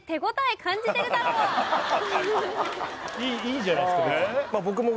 いいじゃないですか